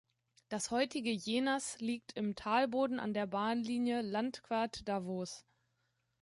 Das heutige Jenaz liegt im Talboden an der Bahnlinie "Landquart–Davos".